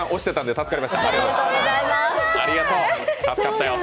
助かったよ。